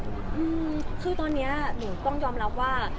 เพราะว่าตอนนี้หนูต้องยอมรับว่า